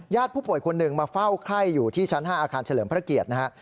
ผู้ป่วยคนหนึ่งมาเฝ้าไข้อยู่ที่ชั้น๕อาคารเฉลิมพระเกียรตินะฮะ